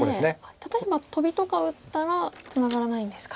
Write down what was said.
例えばトビとか打ったらツナがらないんですか。